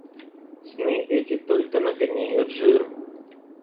Сны эти только нагоняют жир.